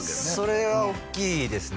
それは大きいですね